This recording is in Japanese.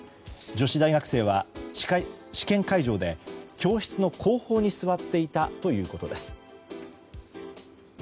女子大学生は試験会場で教室の後方に座っていたということです。